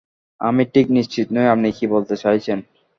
আমি ঠিক নিশ্চিত নই আপনি কী বলতে চাইছেন।